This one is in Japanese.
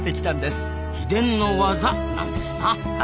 秘伝の技なんですな！